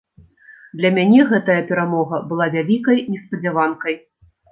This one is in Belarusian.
Для мяне гэтая перамога была вялікай неспадзяванкай.